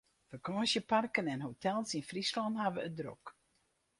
Fakânsjeparken en hotels yn Fryslân hawwe it drok.